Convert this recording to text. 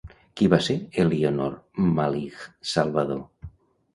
Qui va ser Elionor Malich Salvador?